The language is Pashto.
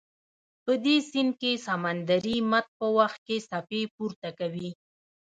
په دې سیند کې سمندري مد په وخت کې څپې پورته کوي.